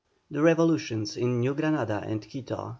THE REVOLUTIONS IN NEW GRANADA AND QUITO.